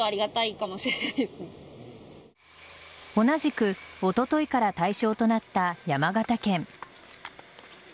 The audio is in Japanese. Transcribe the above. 同じくおとといから対象となった山形県。